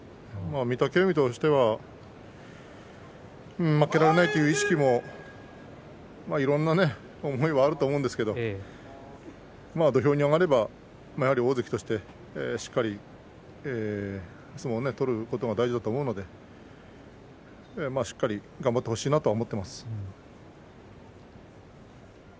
御嶽海としては負けられないという意識もいろんな思いはあると思うんですけれど土俵に上がればやはり大関としてしっかり相撲を取ることが大事だと思うのでまあ、しっかり頑張ってほしいなと思っています。